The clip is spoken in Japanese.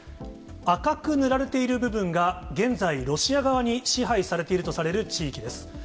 赤く塗られている部分が、現在ロシア側に支配されているとされる地域です。